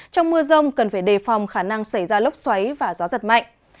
không cần phải đề phòng khả năng xảy ra lốc xoáy và gió giật mạnh